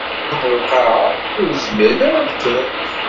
Wwḍen lqaɛa, ur zmiren ara ad d-kkren.